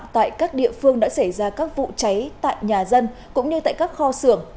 tại các địa phương đã xảy ra các vụ cháy tại nhà dân cũng như tại các kho xưởng